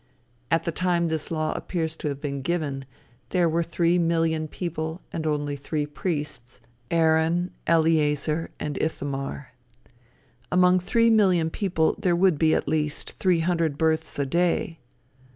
At the time this law appears to have been given, there were three million people, and only three priests, Aaron, Eleazer and Ithamar. Among three million people there would be, at least, three hundred births a day.